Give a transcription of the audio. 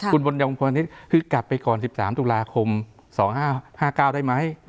คุณบุญยงพรทิพย์คือกลับไปก่อน๑๓ตุลาคม๒๕๕๙ได้ไหม